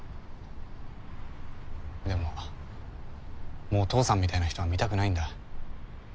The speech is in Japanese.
でももう父さんみたいな人は見たくないんだ。